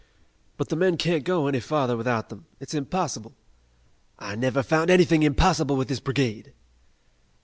"But the men can't go any farther without them. It's impossible." "I never found anything impossible with this brigade."